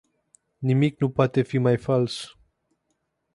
Nimic nu poate fi mai fals.